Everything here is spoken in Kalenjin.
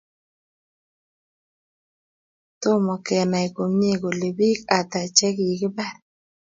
Tomo Kenai komie kole bik Ata che kikibar